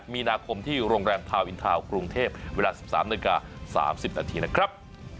มีนาคมที่โรงแรมทาวนอินทาวน์กรุงเทพเวลา๑๓นาฬิกา๓๐นาทีนะครับ